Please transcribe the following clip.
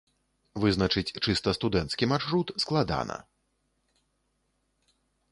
Вызначыць чыста студэнцкі маршрут складана.